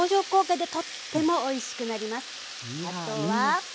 あとは。